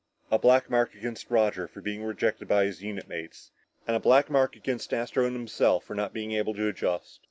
A black mark against Roger for being rejected by his unit mates and a black mark against Astro and himself for not being able to adjust.